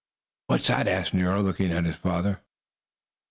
"What's that?" asked Nero, looking at his father.